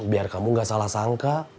biar kamu gak salah sangka